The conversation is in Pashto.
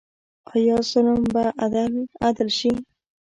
آیا ظلم به عدل شي؟